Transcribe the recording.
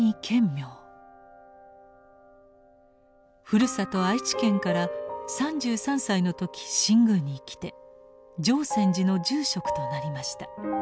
ふるさと愛知県から３３歳の時新宮に来て淨泉寺の住職となりました。